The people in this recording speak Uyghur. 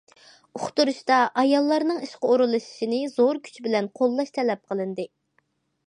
« ئۇقتۇرۇش» تا ئاياللارنىڭ ئىشقا ئورۇنلىشىشىنى زور كۈچ بىلەن قوللاش تەلەپ قىلىندى.